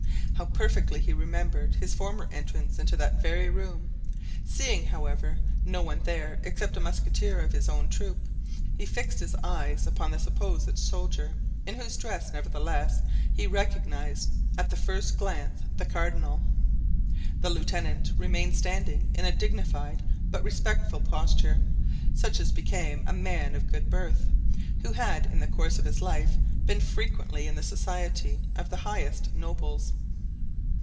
How perfectly he remembered his former entrance into that very room! Seeing, however, no one there except a musketeer of his own troop, he fixed his eyes upon the supposed soldier, in whose dress, nevertheless, he recognized at the first glance the cardinal. The lieutenant remained standing in a dignified but respectful posture, such as became a man of good birth, who had in the course of his life been frequently in the society of the highest nobles.